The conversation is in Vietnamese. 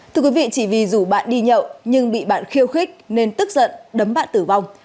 thưa quý vị chỉ vì rủ bạn đi nhậu nhưng bị bạn khiêu khích nên tức giận đấm bạn tử vong